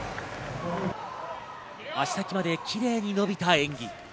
足先までキレイに伸びた演技。